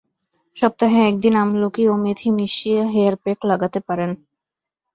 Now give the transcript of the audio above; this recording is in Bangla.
সপ্তাহে এক দিন আমলকী ও মেথি মিশিয়ে হেয়ার প্যাক লাগাতে পারেন।